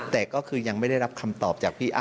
แต่ก็คือยังไม่ได้รับคำตอบจากพี่อ้